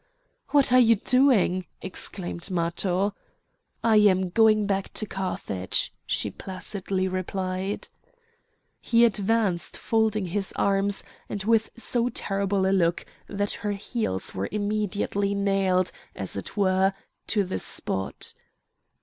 "What are you doing?" exclaimed Matho. "I am going back to Carthage," she placidly replied. He advanced folding his arms and with so terrible a look that her heels were immediately nailed, as it were, to the spot.